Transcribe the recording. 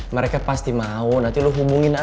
mereka pasti mau nanti lo hubungin aja